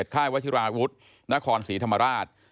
ค่ายวัชิราวุฒินครศรีธรรมราช